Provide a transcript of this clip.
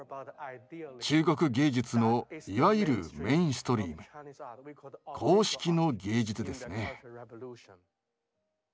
中国芸術のいわゆるメインストリーム「公式の芸術」ですね。